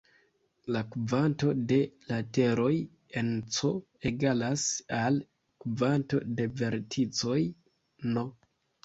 La kvanto de lateroj en "C" egalas al kvanto de verticoj "n".